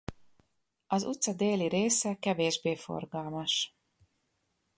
Az utca déli része kevésbé forgalmas.